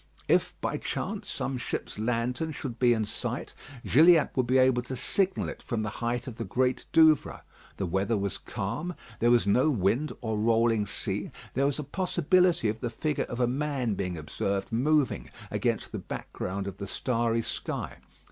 If by chance some ship's lantern should be in sight, Gilliatt would be able to signal it from the height of the Great Douvre. The weather was calm, there was no wind or rolling sea; there was a possibility of the figure of a man being observed moving against the background of the starry sky.